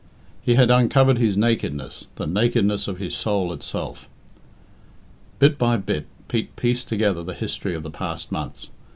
He had uncovered his nakedness the nakedness of his soul itself. Bit by bit Pete pieced together the history of the past months.